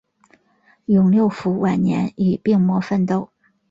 永六辅晚年与病魔奋斗。